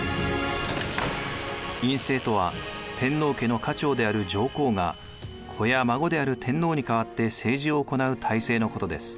院政とは天皇家の家長である上皇が子や孫である天皇に代わって政治を行う体制のことです。